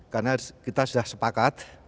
karena kita sudah sepakat